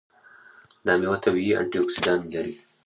دا میوه طبیعي انټياکسیدان لري.